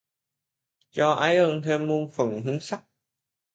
Cho ái ân thêm muôn phần hương sắc.